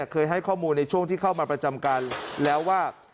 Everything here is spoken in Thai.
เคยให้ข้อมูลในช่วงที่เข้ามาประจำการแล้วว่า